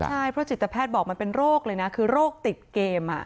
ใช่เพราะจิตแพทย์บอกมันเป็นโรคเลยนะคือโรคติดเกม